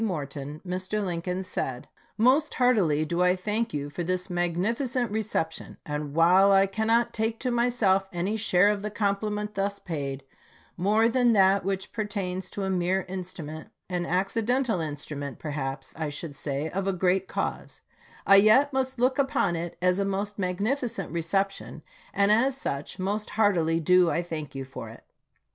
Morton, Mr. Lincoln said: Most heartily do I thank you for this magnificent re ception, and while I cannot take to myself any share of the compliment thus paid, more than that which pertains to a mere instrument, an accidental instrument perhaps I should say, of a great cause, I yet must look upon it as a most magnificent reception, and as such most heartily do I thank you for it.